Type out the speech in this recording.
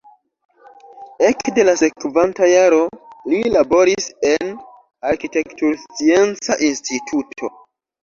Ekde la sekvanta jaro li laboris en arkitekturscienca instituto.